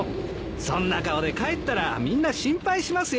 そんな顔で帰ったらみんな心配しますよ。